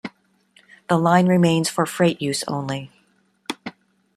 The line remains for freight use only.